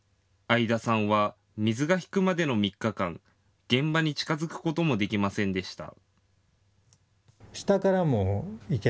相田さんは水が引くまでの３日間、現場に近づくこともできませんでした。